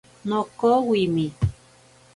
Nokowimi.